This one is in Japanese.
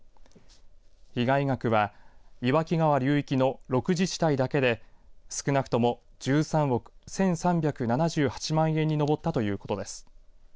被害額は岩木川流域の６自治体だけで少なくとも１３億１３７８万円に上ったということです。